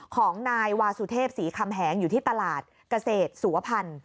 ของนายวาสุเทพศรีคำแหงอยู่ที่ตลาดเกษตรสุวพันธ์